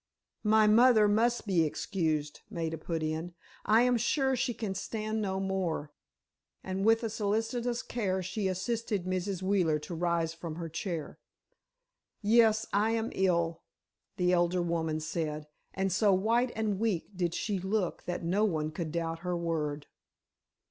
"My mother must be excused," Maida put in. "I am sure she can stand no more," and with a solicitous care, she assisted Mrs. Wheeler to rise from her chair. "Yes, I am ill," the elder woman said, and so white and weak did she look that no one could doubt her word.